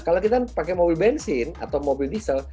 kalau kita pakai mobil bensin atau mobil diesel